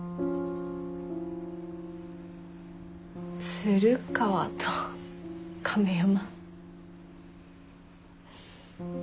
鶴川と亀山。